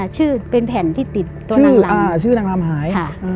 ชื่อเป็นแผ่นที่ติดตัวนางลำชื่อนางลำหาย